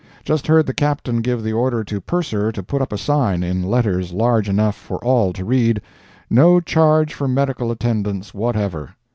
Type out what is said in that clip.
"Just heard the Captain give the order to Purser to put up a sign, in letters large enough for all to read: 'No charge for medical attendance whatever.'